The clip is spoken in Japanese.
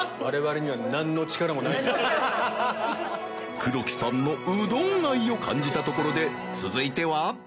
黒木さんのうどん愛を感じたところで続いては？